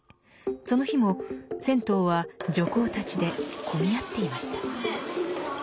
その日も銭湯は女工たちで混み合っていました。